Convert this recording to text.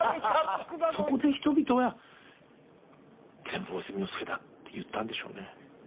そこで人々は「全部大泉のせいだ」って言ったんでしょうね。